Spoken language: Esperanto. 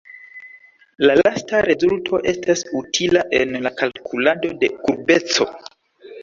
La lasta rezulto estas utila en la kalkulado de kurbeco.